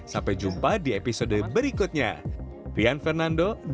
sampai jumpa di episode berikutnya